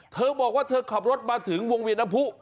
เธอบอกว่าเธอขับรถมาถึงวงเวียดนัมพุ